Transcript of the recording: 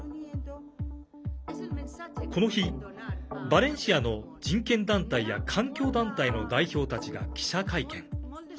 この日、バレンシアの人権団体や環境団体の代表たちが記者会見。